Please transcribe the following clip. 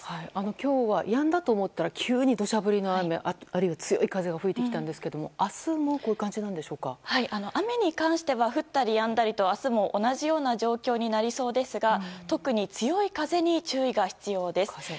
今日はやんだと思ったら急に土砂降りの雨あるいは強い風が吹いてきたんですが、明日も雨に関しては降ったりやんだりと、明日も同じような状況になりそうですが特に強い風に注意が必要です。